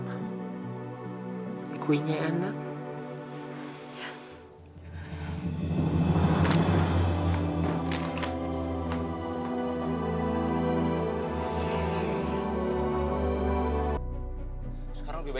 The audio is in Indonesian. aku belain ya